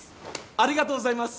ありがとうございます。